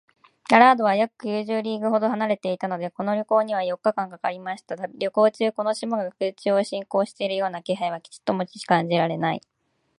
ラガードは約九十リーグほど離れていたので、この旅行には四日半かかりました。旅行中、この島が空中を進行しているような気配はちょっとも感じられない